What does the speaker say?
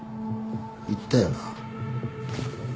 言ったよな？